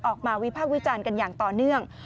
วิพากษ์วิจารณ์กันอย่างต่อเนื่อง